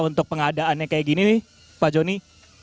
untuk pengadaannya kayak gini nih pak joni